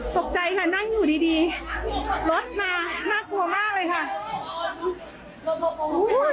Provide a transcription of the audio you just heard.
ตกใจค่ะนั่งอยู่ดีรถมาน่ากลัวมากเลยค่ะโอ้โหน่ากลัวมากเลย